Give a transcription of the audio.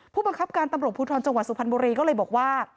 ผู้บังคับการตำรวจภูทรจังหวัดสุพรรณบุรีก็เลยบอกว่า